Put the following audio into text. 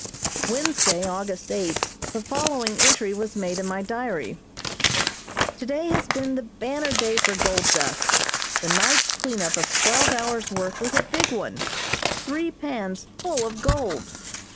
Wednesday, August eighth, the following entry was made in my diary: "Today has been the banner day for gold dust. The night's cleanup of twelve hours' work was a big one three pans full of gold.